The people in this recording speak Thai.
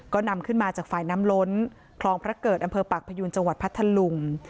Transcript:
ก็นำขึ้นมาจากฝ่ายน้ำล้นคลองพระเกิดอำเภอปากพยูนจังหวัดพัทธลุง